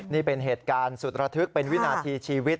นี่เป็นเหตุการณ์สุดระทึกเป็นวินาทีชีวิต